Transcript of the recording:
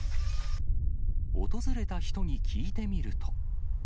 訪れた人に聞いてみると。